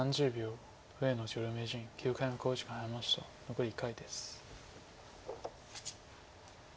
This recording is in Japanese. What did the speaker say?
残り１回です。